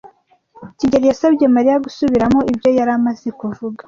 kigeli yasabye Mariya gusubiramo ibyo yari amaze kuvuga.